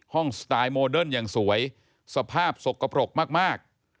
สไตล์โมเดิร์นอย่างสวยสภาพสกปรกมาก